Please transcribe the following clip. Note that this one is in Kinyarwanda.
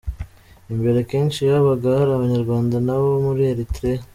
Imbere kenshi habaga hari Abanyarwanda n’abo muri Eritrea.